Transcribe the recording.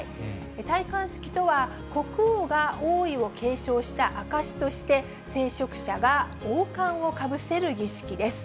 戴冠式とは国王が王位を継承した証しとして、聖職者が王冠をかぶせる儀式です。